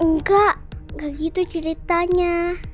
enggak gak gitu ceritanya